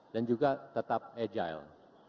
dan juga tetap agile